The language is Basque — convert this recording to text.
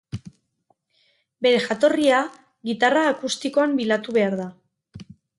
Bere jatorria gitarra akustikoan bilatu behar da.